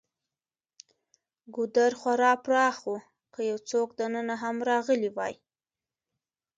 ګودر خورا پراخ و، که یو څوک دننه هم راغلی وای.